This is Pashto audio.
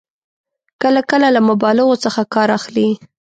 کله کله له مبالغو څخه کار اخلي.